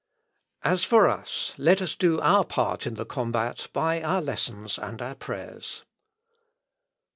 As for us, let us do our part in the combat by our lessons and our prayers."